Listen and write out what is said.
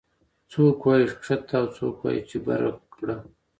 څوک وايي ښکته کړه او څوک وايي چې بره کړه